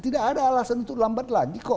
tidak ada alasan itu lambat lagi kok